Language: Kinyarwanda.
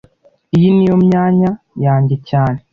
Iyi niyo myanya yanjye cyane